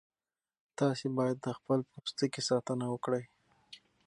تاسي باید د خپل پوستکي ساتنه وکړئ.